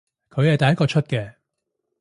佢係第一個出嘅